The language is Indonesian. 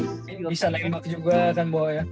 bisa like and subscribe juga kan boya